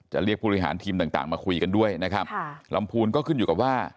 จะเรียกผู้บริหารทีมต่างมาคุยกันด้วยลำพูนก็ขึ้นอยู่กับว่า